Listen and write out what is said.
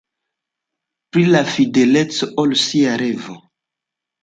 Pri la fideleco al sia revo.